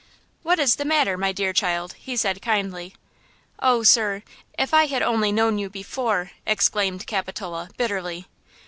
"What is the matter, my dear child?" he said, kindly. "Oh, sir, if I had only know you before!" exclaimed Capitola, bitterly.